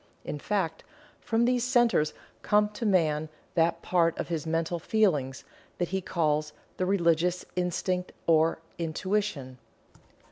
In fact, from these centers come to man that part of his mental "feelings" that he calls "the religious instinct or intuition."